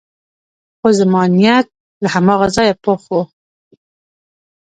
خو زما نیت له هماغه ځایه پخ و.